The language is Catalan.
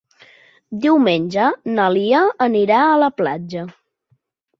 Diumenge na Lia anirà a la platja.